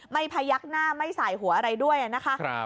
พยักหน้าไม่สายหัวอะไรด้วยนะคะ